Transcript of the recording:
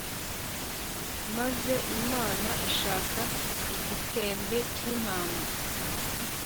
maze imana ishaka igisembe cy'intama